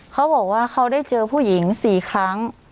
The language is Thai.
เขาบอกว่าเขาได้เจอผู้หญิง๔ครั้ง